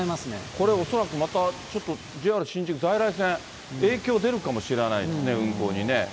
これ恐らくまたちょっとＪＲ新宿在来線、影響出るかもしれないですね、運行にね。